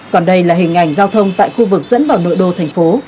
còn đây là hình ảnh giao thông tại khu vực dẫn vào nội đô thành phố